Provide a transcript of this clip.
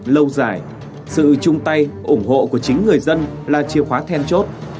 lâu dài sự chung tay ủng hộ của chính người dân là chìa khóa then chốt